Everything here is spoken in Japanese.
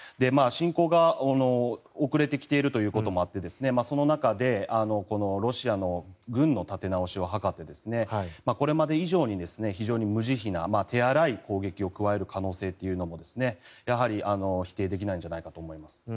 侵攻が遅れてきているということもあってその中でロシアの軍の立て直しを図ってこれまで以上に非常に無慈悲な手荒い攻撃を加える可能性というのもやはり否定できないんじゃないかと思います。